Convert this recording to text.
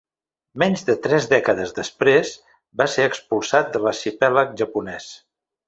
Menys de tres dècades després, va ser expulsat de l'arxipèlag japonès.